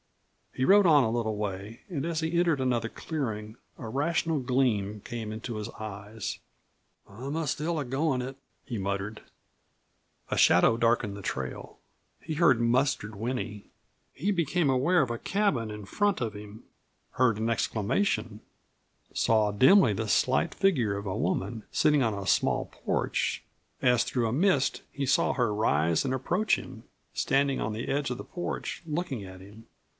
He rode on a little way, and as he entered another clearing a rational gleam came into his eyes. "I'm still a goin' it," he muttered. A shadow darkened the trail; he heard Mustard whinny. He became aware of a cabin in front of him; heard an exclamation; saw dimly the slight figure of a woman, sitting on a small porch; as through a mist, he saw her rise and approach him, standing on the edge of the porch, looking at him.